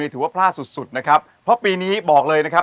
ถือว่าพลาดสุดสุดนะครับเพราะปีนี้บอกเลยนะครับ